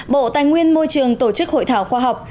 bộ tài nguyên môi trường tổ chức hội thảo khoa học